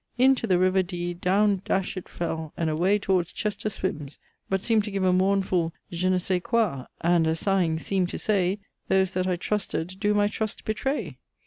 Into the river Dee down dash it fell and away towards Chester swimmes, but seemed to give a mournefull je n' scay quoy and, as sighing, seemed to say Those that I trusted do my trust betray!